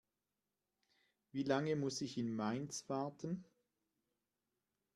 Wie lange muss ich in Mainz warten?